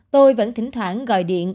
tôi vẫn thỉnh thoảng gọi điện